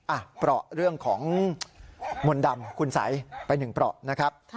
เปราะเรื่องของมนต์ดำคุณสัยไปหนึ่งเปราะนะครับ